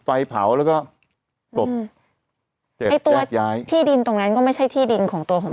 ไฟเผาแล้วก็ตกไอ้ตัวย้ายที่ดินตรงนั้นก็ไม่ใช่ที่ดินของตัวของ